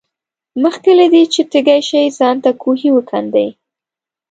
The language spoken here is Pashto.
مخکې له دې چې تږي شې ځان ته کوهی وکیندئ.